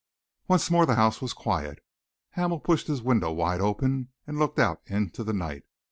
Once more the house was quiet. Hamel pushed his window wide open and looked out into the night.